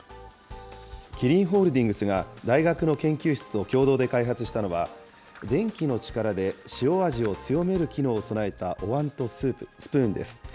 キリンホールディングスが大学の研究室と共同で開発したのは、電気の力で塩味を強める機能を備えたおわんとスプーンです。